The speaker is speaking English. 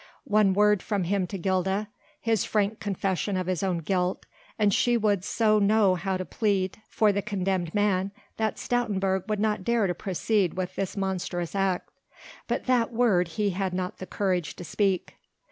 One word from him to Gilda, his frank confession of his own guilt, and she would so know how to plead for the condemned man that Stoutenburg would not dare to proceed with this monstrous act. But that word he had not the courage to speak.